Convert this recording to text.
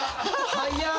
早っ。